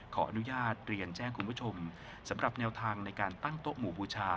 ขออนุญาตเรียนแจ้งคุณผู้ชมสำหรับแนวทางในการตั้งโต๊ะหมู่บูชา